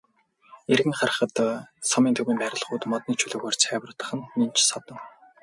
Эргэн харахад сумын төвийн барилгууд модны чөлөөгөөр цайвартах нь нэн ч содон.